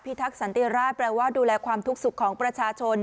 ทักษันติราชแปลว่าดูแลความทุกข์สุขของประชาชน